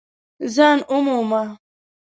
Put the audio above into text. ځان ومومه !